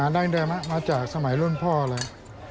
ดั้งเดิมมาจากสมัยรุ่นพ่อเลย